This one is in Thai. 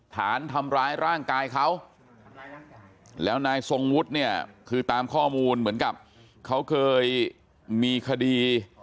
ฐานทำร้ายร่างกายเขาแล้วนายทรงวุฒิเนี่ยคือตามข้อมูลเหมือนกับเขาเคยมีคดี